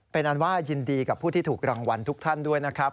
เป็นอันว่ายินดีกับผู้ที่ถูกรางวัลทุกท่านด้วยนะครับ